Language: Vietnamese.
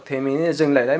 thì mình dừng lại đấy